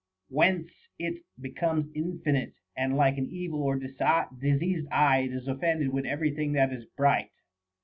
AVhence it becomes infinite, and, like an evil or diseased eye, is offended with every thing that is bright.